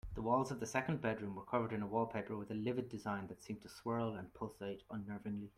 The walls of the second bedroom were covered in a wallpaper with a livid design that seemed to swirl and pulsate unnervingly.